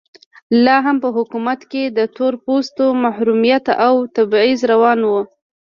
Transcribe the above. لا هم په حکومت کې د تور پوستو محرومیت او تبعیض روان و.